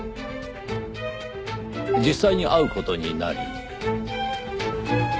実際に会う事になり。